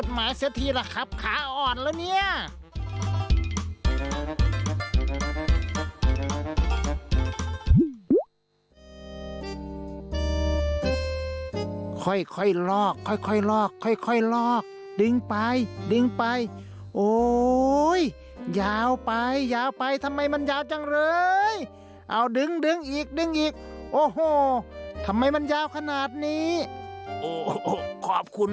นี้นะครับคุณผู้คุณผู้คุณผู้คุณผู้คุณผู้คุณครับมันมีเ